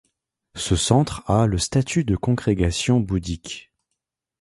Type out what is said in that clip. Ce centre a le statut de congrégation bouddhique.